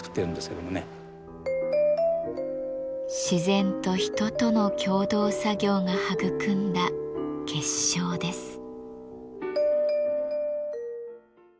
自然と人との共同作業が育んだ結晶です。